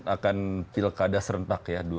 akan pilkada serentak ya